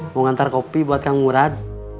mau ngantar kopi buat kang murad